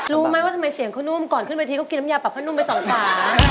รู้ไหมว่าทำไมเสียงเขานุ่มก่อนขึ้นเวทีเขากินน้ำยาปรับผ้านุ่มไปสองขวา